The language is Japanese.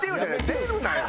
出るなよ